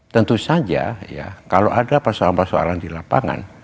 tentu saja ya kalau ada persoalan persoalan di lapangan